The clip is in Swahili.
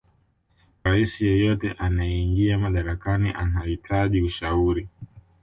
raisi yeyote anayeingia madarakani anahitaji ushauri